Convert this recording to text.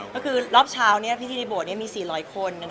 แล้วคือรอบเช้าพูดที่ตรมโยชนเสียระบนมี๔๐๐คน